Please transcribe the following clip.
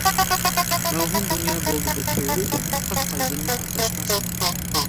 مەۋھۇم دۇنيا بولدى بىر كۆۋرۈك، پاك قەلبىمنى ئاتاشقا ساڭا.